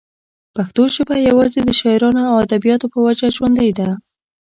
پښتو ژبه يوازې دَشاعرانو او اديبانو پۀ وجه ژوندۍ ده